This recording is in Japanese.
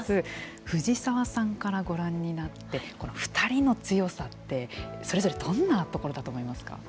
藤沢さんからご覧になってこの２人の強さってそれぞれどんなところだと思いますか。